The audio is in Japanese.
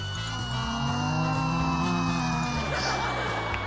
ああ。